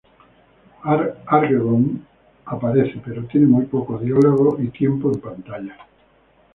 Aragorn aparece pero tiene muy poco diálogo y tiempo en pantalla.